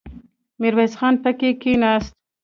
ميرويس خان پکې کېناست.